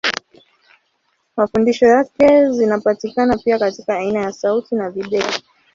Mafundisho yake zinapatikana pia katika aina ya sauti na video.